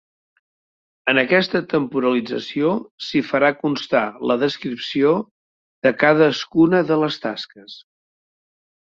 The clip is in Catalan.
En aquesta temporalització s'hi farà constar la descripció de cadascuna de les tasques.